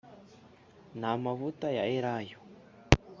n amavuta ya elayo